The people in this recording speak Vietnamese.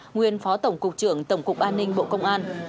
nguyên phó tổng cục trưởng tổng cục an ninh bộ công an